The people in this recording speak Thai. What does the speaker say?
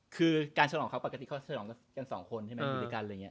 คือการฉลองเขาก็ปกติฉลองกัน๒คน